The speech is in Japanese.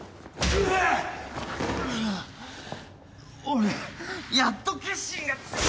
俺やっと決心がつい。